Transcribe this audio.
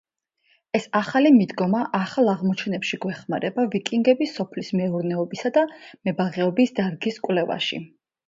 ეს ახალი მიდგომა ახალ აღმოჩენებში გვეხმარება ვიკინგების სოფლის მეურნეობისა და მებაღეობის დარგის კვლევაში.